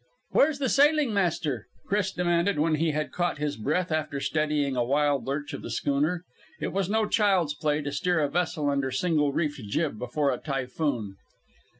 "Where's the sailing master?" Chris demanded when he had caught his breath after steadying a wild lurch of the schooner. It was no child's play to steer a vessel under single reefed jib before a typhoon.